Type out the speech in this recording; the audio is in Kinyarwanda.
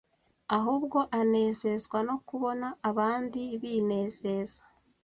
ahubwo anezezwa no kubona abandi binezeza.